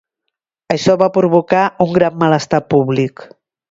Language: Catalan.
Això va provocar un gran malestar públic.